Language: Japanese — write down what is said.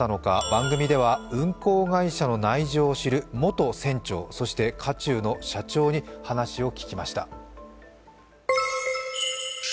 番組では運航会社の内情を知る元船長、そして渦中の社長に話を聞きました。